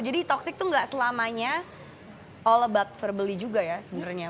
jadi toxic tuh gak selamanya all about verbally juga ya sebenernya menurut aku